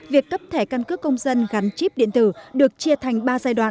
việc cấp thẻ căn cước công dân gắn chip điện tử được chia thành ba giai đoạn